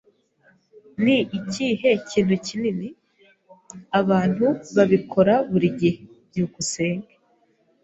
Ni ikihe kintu kinini? Abantu babikora buri gihe. byukusenge